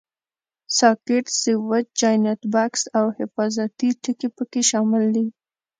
ساکټ، سویچ، جاینټ بکس او حفاظتي ټکي پکې شامل دي.